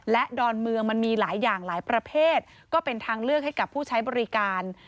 และดอนเมืองมันมีหลายอย่างหลายประเภทก็เป็นทางเลือกให้กับผู้ใช้บริการ